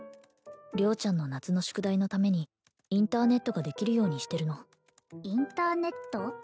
良ちゃんの夏の宿題のためにインターネットができるようにしてるのインターネット？